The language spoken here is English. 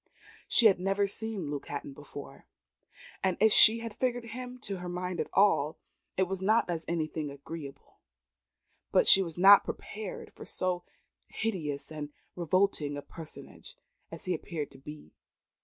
She had never seen Luke Hatton before; and if she had figured him to her mind at all, it was not as anything agreeable; but she was not prepared for so hideous and revolting a personage as he appeared to be.